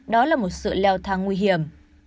đó là một sự leo thang nguy hiểm